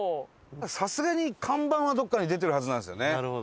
さすがに看板はどこかに出てるはずなんですよね